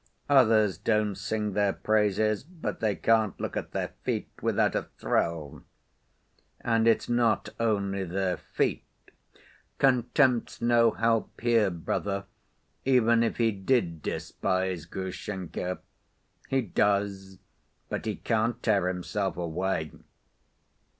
Others don't sing their praises, but they can't look at their feet without a thrill—and it's not only their feet. Contempt's no help here, brother, even if he did despise Grushenka. He does, but he can't tear himself away."